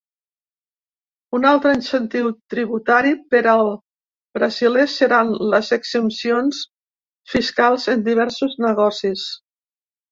Un altre incentiu tributari per al brasiler seran les exempcions fiscals en diversos negocis.